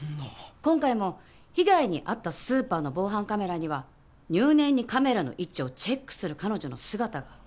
今回も被害に遭ったスーパーの防犯カメラには入念にカメラの位置をチェックする彼女の姿があった。